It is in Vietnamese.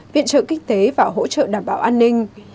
viện trợ kinh tế và hỗ trợ đảm bảo an ninh